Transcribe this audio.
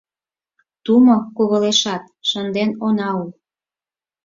Тумо кувылешат шынден она ул